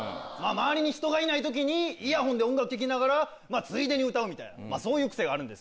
周りに人がいない時にイヤホンで音楽聴きながらついでに歌うみたいなそういう癖があるんですけど。